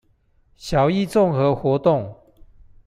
小一綜合活動